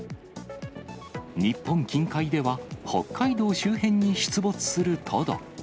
日本近海では、北海道周辺に出没するトド。